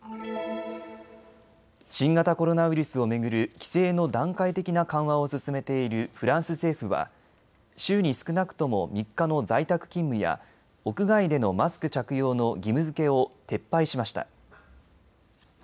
新型コロナウイルスを巡る規制の段階的な緩和を進めているフランス政府は週に少なくとも３日の在宅勤務や屋外でのマスク着用の義務づけを撤廃しました。